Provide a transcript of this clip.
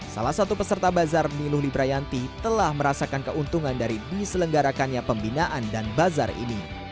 salah satu peserta bazar miluh librayanti telah merasakan keuntungan dari diselenggarakannya pembinaan dan bazar ini